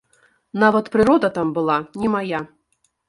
Нават прырода там была не мая.